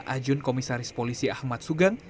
ajun komisaris polisi ahmad sugang